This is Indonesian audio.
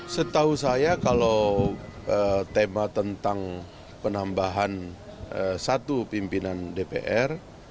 setahu saya kalau tema tentang penambahan satu pimpinan dpr